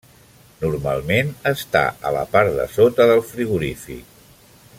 Normalment està a la part de sota del frigorífic.